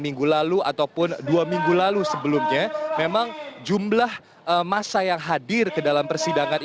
minggu lalu ataupun dua minggu lalu sebelumnya memang jumlah masa yang hadir ke dalam persidangan